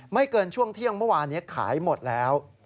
เกินช่วงเที่ยงเมื่อวานนี้ขายหมดแล้ว